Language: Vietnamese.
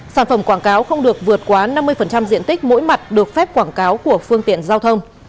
sản phẩm quảng cáo không được vượt quá năm mươi diện tích mỗi mặt được phép quảng cáo của phương tiện giao thông